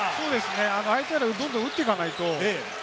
あいたらどんどん打っていかないと。